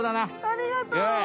ありがとう！